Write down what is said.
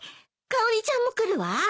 かおりちゃんも来るわ。